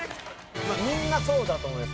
みんなそうだと思います。